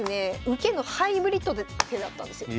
受けのハイブリッドの手だったんですよ。